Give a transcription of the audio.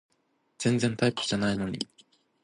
全然タイプじゃないのに